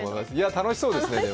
楽しそうですね。